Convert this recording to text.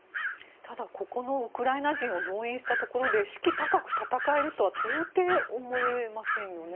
ただここのウクライナ人を動員したところで士気高く戦えるとは到底、思えませんよね。